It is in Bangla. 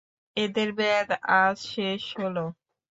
এর মেয়াদ আজ শেষ হলো।